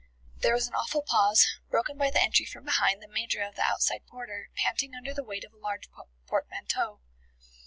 There was an awful pause, broken by the entry from behind the Major of the outside porter, panting under the weight of a large portmanteau.